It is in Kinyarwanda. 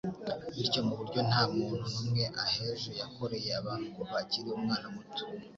Bityo, mu buryo nta muntu n'umwe aheje, yakoreye abantu kuva akiri umwana muto